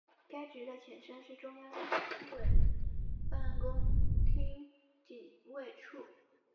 该局的前身是中央军委办公厅警卫处。